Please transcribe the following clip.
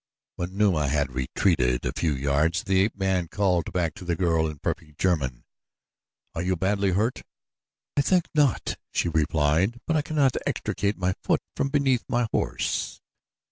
When Numa had retreated a few yards, the ape man called back to the girl in perfect German, "Are you badly hurt?" "I think not," she replied; "but I cannot extricate my foot from beneath my horse."